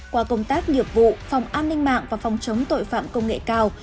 qua công tác nghiệp vụ phòng an ninh mạng và phòng chống tội phạm công nghệ cao